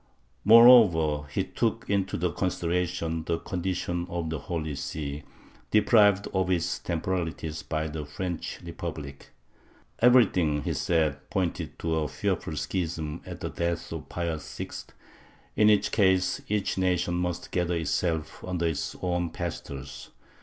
Moreover he took into consideration the condition of the Holy See, deprived of its temporalities by the French Repub lic. Everything, he said, pointed to a fearful schism at the death of Pius VI, in which case each nation must gather itself under its own pastors.